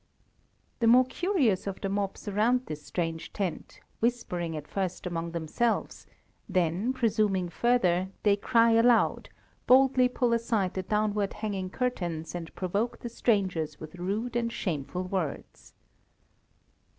The more curious of the mob surround this strange tent, whispering at first among themselves, then, presuming further, they cry aloud; boldly pull aside the downward hanging curtains and provoke the strangers with rude and shameful words.